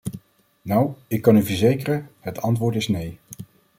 Nou, ik kan u verzekeren, het antwoord is nee.